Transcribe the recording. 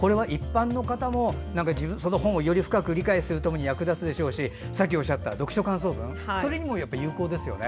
一般の方もその本をより深く理解することに役立つでしょうし、読書感想文それにも有効ですよね。